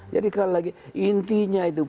jadi kalau lagi intinya itu